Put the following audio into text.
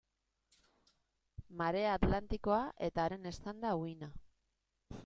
Marea Atlantikoa eta haren eztanda-uhina.